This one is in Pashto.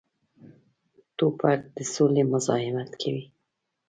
توپک د سولې مزاحمت کوي.